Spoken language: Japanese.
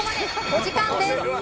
お時間です。